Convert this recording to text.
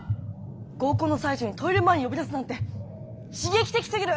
合コンの最中にトイレ前に呼び出すなんて刺激的すぎる！